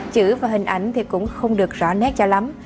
chữ và hình ảnh thì cũng không được rõ nét cho lắm